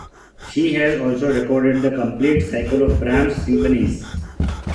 She has also recorded the complete cycle of Brahms' symphonies.